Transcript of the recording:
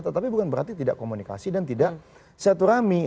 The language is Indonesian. tetapi bukan berarti tidak komunikasi dan tidak siaturami